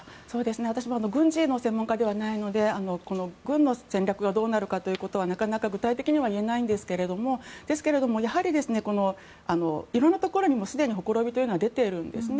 私も軍事の専門家ではないので軍の戦略がどうなるかということはなかなか具体的には言えないんですがですがやはり色んなところにすでにほころびは出ているんですね。